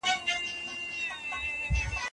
زما په برخه به نن ولي